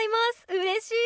うれしい！